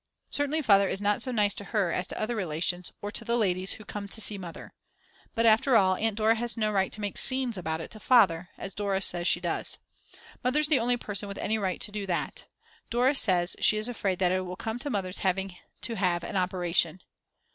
Certainly Father is not so nice to her as to other relations or to the ladies who some to see Mother. But after all, Aunt Dora has no right to make scenes about it to Father, as Dora says she does. Mother's the only person with any right to do that. Dora says she is afraid that it will come to Mother's having to have an operation.